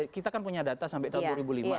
kita kan punya data sampai tahun dua ribu lima